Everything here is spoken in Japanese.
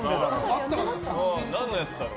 何のやつだろう。